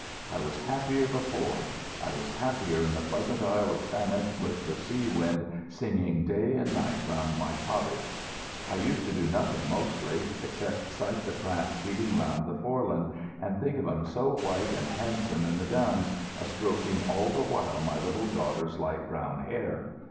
I was happier before; I was happier in the pleasant Isle of Thanet with the sea wind singing day and night round my cottage. I used to do nothing mostly, except sight the craft beating round the Foreland, and think of 'em so white and handsome in the Downs, a stroking all the while my little daughter's light brown hair.